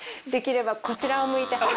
できればこちらを向いて。